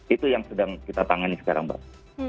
itu yang sedang kita tangani sekarang mbak